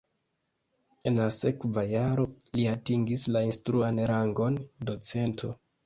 En la sekva jaro li atingis la instruan rangon docento.